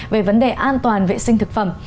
về vấn đề an toàn vệ sinh thực phẩm